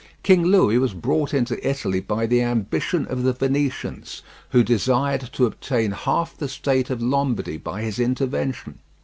King Louis was brought into Italy by the ambition of the Venetians, who desired to obtain half the state of Lombardy by his intervention.